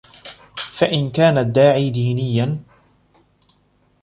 فَإِنْ كَانَ الدَّاعِي دِينِيًّا